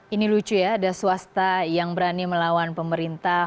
ini lucu ya ada swasta yang berani melawan pemerintah